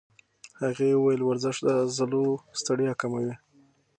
هغې وویل ورزش د عضلو ستړیا کموي.